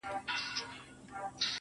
o د زلفو بڼ كي د دنيا خاوند دی.